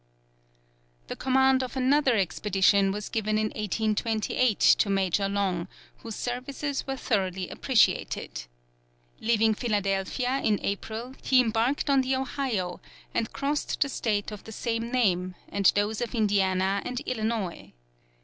"] The command of another expedition was given in 1828 to Major Long, whose services were thoroughly appreciated. Leaving Philadelphia in April, he embarked on the Ohio, and crossed the state of the same name, and those of Indiana and Illinois.